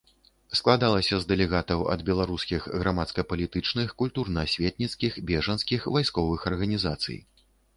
Складалася з дэлегатаў ад беларускіх грамадска-палітычных, культурна-асветніцкіх, бежанскіх, вайсковых арганізацый.